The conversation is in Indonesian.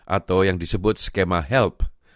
atau yang disebut skema health